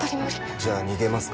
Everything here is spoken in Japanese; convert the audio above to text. じゃあ逃げますか？